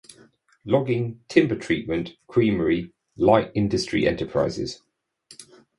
Logging, timber treatment, creamery, light industry enterprises.